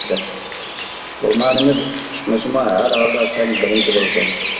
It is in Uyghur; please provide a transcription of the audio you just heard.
رومانىمىز ئۇتۇپ چىقمىسىمۇ، ھەر ھالدا، سەن بىرىنچى بولىسەن.